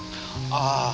ああ！